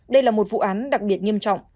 đây là một vụ án đặc biệt nghiêm trọng